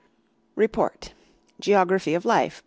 REPORT GEOGRAPHY OF LIFE.